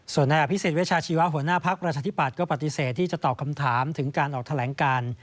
ส่วนในอาพิเศษวิชาชีวะหัวหน้าพักรัชธิบัตรก็ปฏิเสธที่จะตอบคำถามถึงการออกแถลงการ